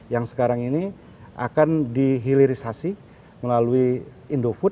yang sekarang ini akan dihilirisasi melalui indofood